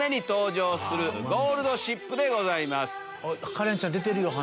カレンちゃん出てるよ鼻。